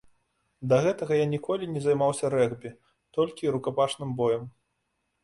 Да гэтага я ніколі не займаўся рэгбі, толькі рукапашным боем.